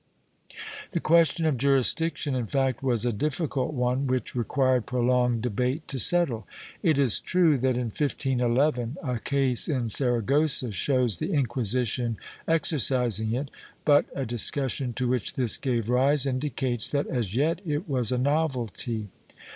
^ The question of jurisdiction, in fact, was a difficult one, which rec{uired prolonged debate to settle. It is true that, in 1511, a case in Saragossa shows the Incj[uisition exercising it, but a discus sion to which this gave rise indicates that as yet it was a novelty.